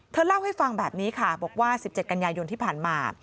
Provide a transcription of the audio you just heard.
เล่าให้ฟังแบบนี้ค่ะบอกว่า๑๗กันยายนที่ผ่านมา